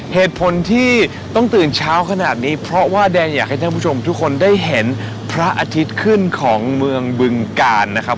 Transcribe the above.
เหตุผลที่ต้องตื่นเช้าขนาดนี้เพราะว่าแดงอยากให้ท่านผู้ชมทุกคนได้เห็นพระอาทิตย์ขึ้นของเมืองบึงกาลนะครับ